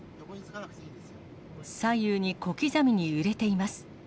左右に小刻みに揺れています。